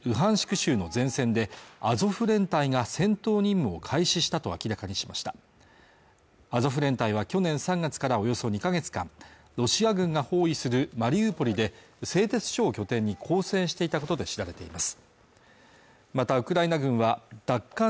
州の前線でアゾフ連隊が戦闘任務を開始したと明らかにしましたアゾフ連隊は去年３月からおよそ２か月間ロシア軍が包囲するマリウポリで製鉄所を拠点に抗戦していたことで知られています